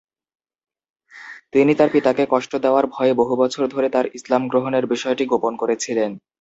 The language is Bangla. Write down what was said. তিনি তাঁর পিতাকে কষ্ট দেয়ার ভয়ে বহু বছর ধরে তাঁর ইসলাম গ্রহণের বিষয়টি গোপন করেছিলেন।